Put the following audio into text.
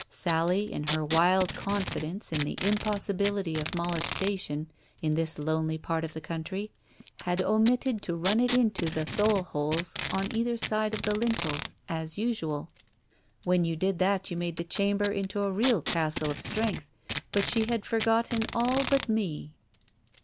Sally, in her wild confidence in the impossibility of molestation in this lonely part of the country, had omitted to run it into the Digitized by Google 188 TALES OF THE UNEASY thole holes on either side of the lintels, as usual. When you did that you made the chamber into a real castle of strength, but she had forgotten all but me.